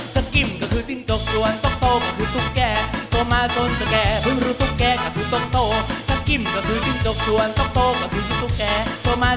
จักกิ่มก็คือจริงจกจักกิ่มก็คือตกโต